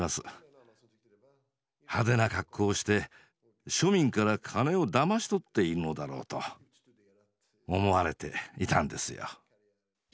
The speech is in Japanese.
派手な格好をして庶民から金をだまし取っているのだろうと思われていたんですよ。